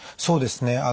そうですね。